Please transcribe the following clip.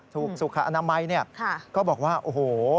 ถูกสุขอนามัยเนี่ยก็บอกว่าโอ้โห